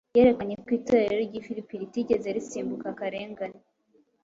yerekanye ko Itorero ry’i Filipi ritigeze risimbuka akarengane.